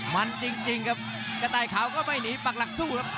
มันจริงครับกระต่ายเขาก็ไม่หนีปักหลักสู้ครับ